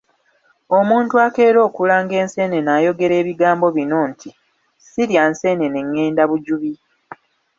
Omuntu akeera okulanga enseenene ayogera ebigambo bino nti: ‘Sirya nseenene ngenda Bujubi’